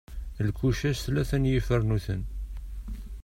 Lkuca s tlata n yifarnuten.